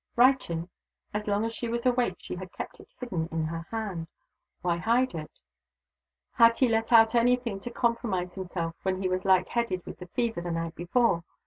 Writing? As long as she was awake she had kept it hidden in her hand. Why hide it? Had he let out any thing to compromise himself when he was light headed with the fever the night before?